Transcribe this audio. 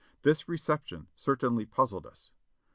This reception certainly puzzled us.